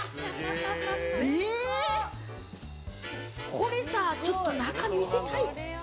これさ、ちょっと中見せたい。